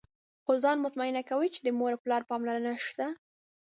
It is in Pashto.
خو ځان مطمئن کوي چې د مور او پلار پاملرنه شته.